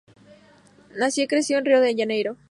Nació y creció en Río de Janeiro.